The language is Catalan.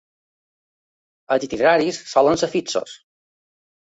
Els itineraris solen ser fixos.